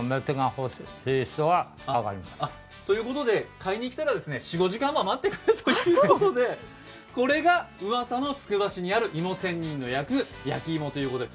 買いに来たら４５時間は待ってくれということでこれがうわさのつくば市にある芋仙人が焼く焼き芋です。